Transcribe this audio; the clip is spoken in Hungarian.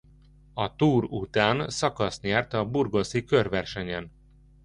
A Tour után szakaszt nyert a Burgosi körversenyen.